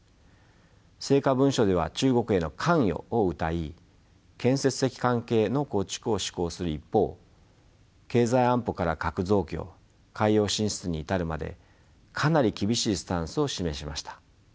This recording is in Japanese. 成果文書では中国への関与をうたい建設的関係の構築を志向する一方経済安保から核増強海洋進出に至るまでかなり厳しいスタンスを示しました。